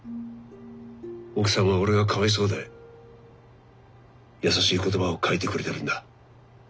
奥さんは俺がかわいそうで優しい言葉を書いてくれてるんだ。